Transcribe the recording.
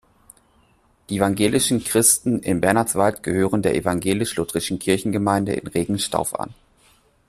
Die evangelischen Christen in Bernhardswald gehören der Evangelisch-Lutherischen Kirchengemeinde in Regenstauf an.